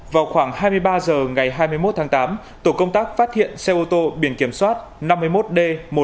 vào khoảng hai mươi ba h ngày hai mươi một tháng tám tổ công tác phát hiện xe ô tô biển kiểm soát năm mươi một d một mươi ba nghìn ba trăm một mươi sáu